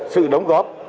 sự đóng góp